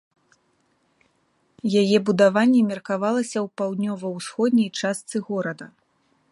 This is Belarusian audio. Яе будаванне меркавалася ў паўднёва-ўсходняй частцы горада.